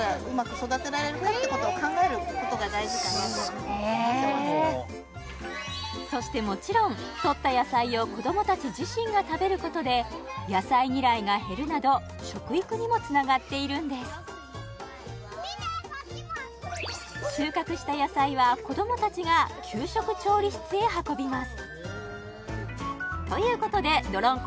庭には野菜畑畑にはそしてもちろん採った野菜を子どもたち自身が食べることで野菜嫌いが減るなど食育にもつながっているんです収穫した野菜は子どもたちが給食調理室へ運びますということでどろんこ